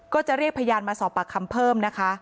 ก็จะเรียกพยานมาสอบปากคำเพิ่มนะคะ